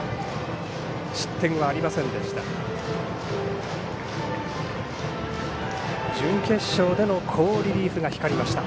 失点はありませんでした。